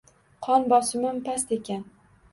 Qon bosimim past ekan